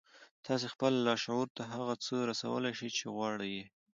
تاسې خپل لاشعور ته هغه څه رسولای شئ چې غواړئ يې.